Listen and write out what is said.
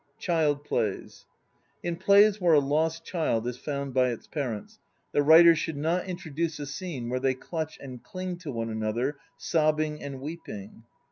CHILD PLAYS In plays where a lost child is found by its parents, the writer should not introduce a scene where they clutch and cling to one another, sobbing and weeping.